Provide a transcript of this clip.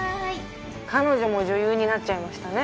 彼女も女優になっちゃいましたね